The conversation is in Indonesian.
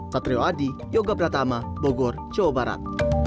satrio adi yoga pratama bogor jawa barat